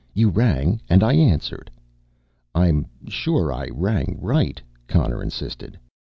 "You rang and I answered." "I'm sure I rang right," Connor insisted.